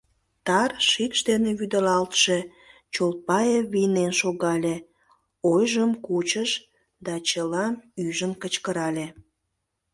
Тар шикш дене вӱдылалтше Чолпаев вийнен шогале, оҥжым кучыш да чылам ӱжын кычкырале: